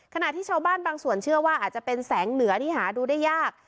ขณะที่ชาวบ้านบางส่วนเชื่อว่าอาจจะเป็นแสงเหนือที่หาดูได้ยาก